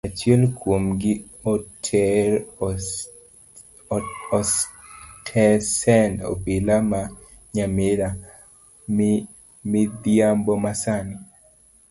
Achiel kuomgi oter estesend obila ma nyamira midhiambo masani.